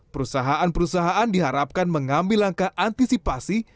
perusahaan perusahaan diharapkan mengambil langkah antisipasi